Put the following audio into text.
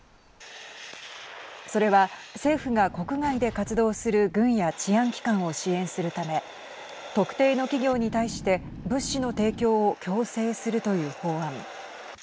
それは、政府が国外で活動する軍や治安機関を支援するため特定の企業に対して物資の提供を強制するという法案。